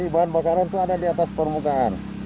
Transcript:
bahan bakaran itu ada di atas permukaan